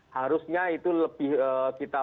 harusnya itu lebih kita